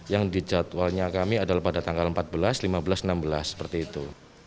yang dijadwalnya kami adalah pada tanggal empat belas lima belas enam belas seperti itu